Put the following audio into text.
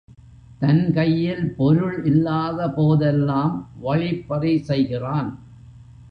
தன்கையில் பொருள் இல்லாத போதெல்லாம் வழிப்பறி செய்கிறான்.